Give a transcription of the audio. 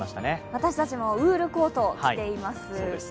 私たちもウールコートを着ています。